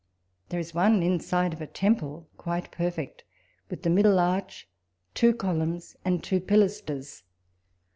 There is one inside of a temple quite perfect, with the middle arch, two columns, and two pilasters.